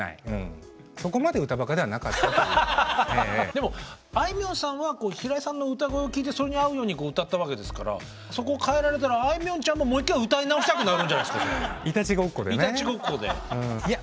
でもあいみょんさんは平井さんの歌声を聞いてそれに合うように歌ったわけですからそこを変えられたらあいみょんちゃんももう１回歌い直したくなるんじゃないですかそれ。